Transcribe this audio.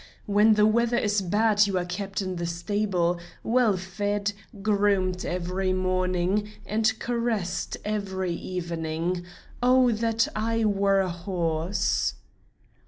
When the weather is bad you are kept in the stable, well fed, groomed every morning, and caressed every evening. Oh that I were a horse!"